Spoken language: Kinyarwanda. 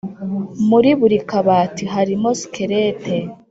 muri buri kabati harimo skelete